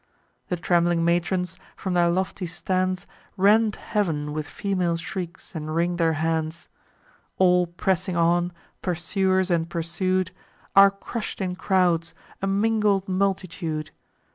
The trembling matrons, from their lofty stands, Rend heav'n with female shrieks, and wring their hands. All pressing on, pursuers and pursued, Are crush'd in crowds, a mingled multitude.